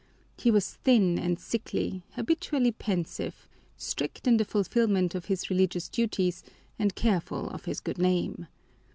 He was thin and sickly, habitually pensive, strict in the fulfilment of his religious duties, and careful of his good name.